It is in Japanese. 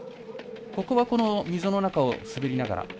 ここは溝の中を滑りながら。